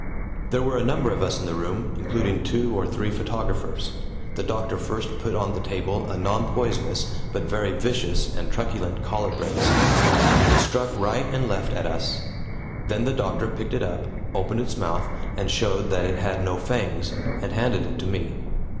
There were a number of us in the room, including two or three photographers. The doctor first put on the table a non poisonous but very vicious and truculent colubrine snake. It struck right and left at us. Then the doctor picked it up, opened its mouth, and showed that it had no fangs, and handed it to me.